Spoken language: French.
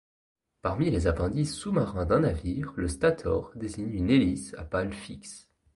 Parmi les appendices sous-marins d'un navire, le stator désigne une hélice à pales fixes.